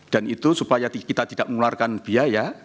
dan itu supaya kita tidak mengeluarkan biaya